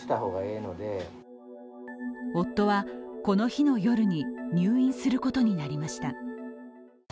夫は、この日の夜に入院することになりました。